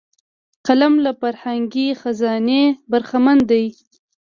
قلم له فرهنګي خزانې برخمن دی